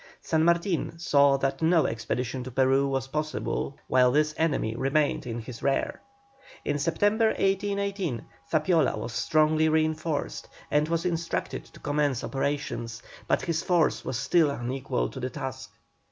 San Martin saw that no expedition to Peru was possible while this enemy remained in his rear. In September, 1818, Zapiola was strongly reinforced and was instructed to commence operations, but his force was still unequal to the task.